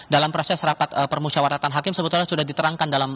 dalam proses rapat permusyawaratan hakim sebetulnya sudah diterangkan dalam